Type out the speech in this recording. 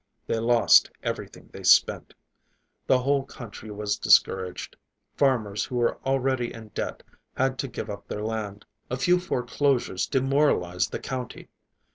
They lost everything they spent. The whole country was discouraged. Farmers who were already in debt had to give up their land. A few foreclosures demoralized the county.